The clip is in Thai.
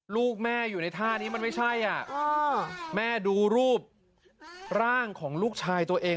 ลูกแม่อยู่ในท่านี้มันไม่ใช่อ่ะแม่ดูรูปร่างของลูกชายตัวเอง